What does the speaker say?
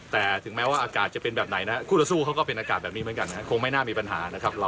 แต่ถึงแม้ว่าอากาศจะเป็นแบบไหนนะครับคู่ละสู้เขาก็เป็นอากาศแบบนี้เหมือนกันนะครับ